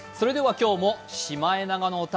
今日も「シマエナガの歌」